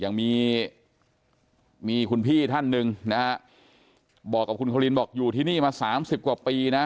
ยังมีมีคุณพี่ท่านหนึ่งนะฮะบอกกับคุณคลินบอกอยู่ที่นี่มาสามสิบกว่าปีนะ